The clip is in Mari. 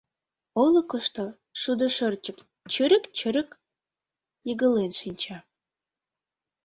Олыкышто шудышырчык чырык-чырык йыгылен шинча.